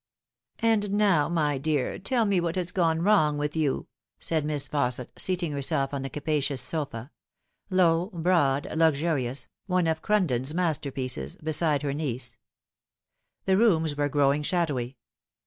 " And now, my dear, tell me what has gone wrong with you," said Miss Fausset, seating herself on the capacious sofa low, broad, luxurious, one of Crunden's masterpieces beside her niece. The rooms were growing shadowy.